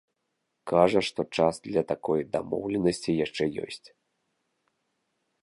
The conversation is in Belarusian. Кажа, што час для такой дамоўленасці яшчэ ёсць.